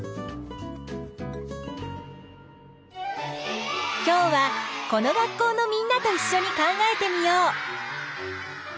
種を今日はこの学校のみんなといっしょに考えてみよう！